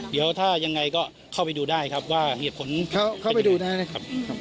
เดี๋ยวถ้ายังไงก็เข้าไปดูได้ครับว่าเหตุผลเข้าไปดูได้นะครับ